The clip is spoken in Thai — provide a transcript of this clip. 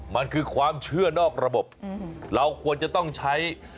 มันคือความเชื่อนอกระบบเราควรจะต้องใช้